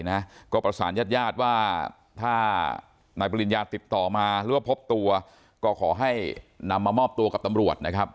หรือว่าพบตัวก็ขอให้นำมามอบตัวกับตำรวจนะครับ